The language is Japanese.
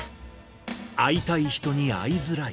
会いたい人に会いづらい。